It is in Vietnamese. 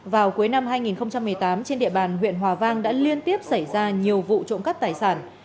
vào cuối năm hai nghìn một mươi tám trên địa bàn huyện hòa vang đã liên tiếp xảy ra nhiều vụ trộm cắp tài sản